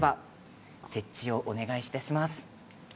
設置をお願いします。